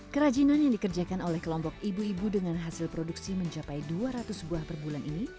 kerajinan yang dikerjakan oleh kelompok ibu ibu dengan hasil produksi mencapai dua ratus buah per bulan ini